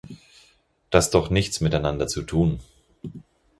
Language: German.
Das doch nichts miteinander zu tun!